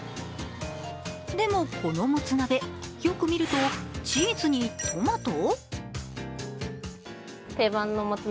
でも、このもつ鍋、よく見るとチーズにトマト？